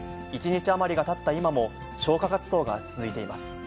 １日余りがたった今も、消火活動が続いています。